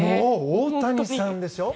大谷さんでしょ。